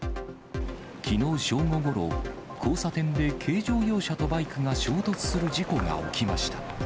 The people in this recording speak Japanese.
きのう正午ごろ、交差点で軽乗用車とバイクが衝突する事故が起きました。